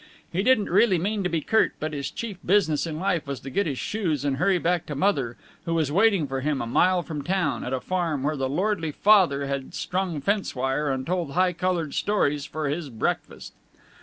He didn't really mean to be curt, but his chief business in life was to get his shoes and hurry back to Mother, who was waiting for him, a mile from town, at a farm where the lordly Father had strung fence wire and told high colored stories for his breakfast.